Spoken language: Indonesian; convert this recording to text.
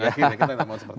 kita tidak mau seperti itu